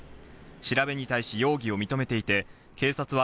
調べに対し容疑を認めていて、警察は